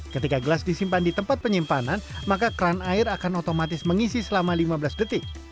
ketika gelas disimpan di tempat penyimpanan maka kran air akan otomatis mengisi selama lima belas detik